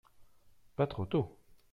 Pas trop tôt.